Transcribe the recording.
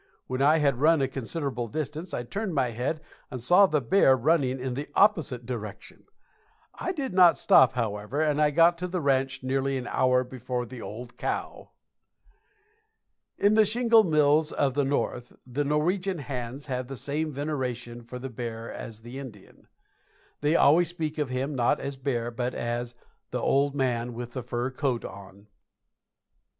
When I had run a considerable distance I turned my head and saw the bear running in the opposite direction. I did not stop, however, and I got to the ranch nearly an hour before the old cow. In the shingle mills of the North the Norwegian hands have the same veneration for the bear as the Indian. They always speak of him not as a bear, but as "the old man with the fur coat on."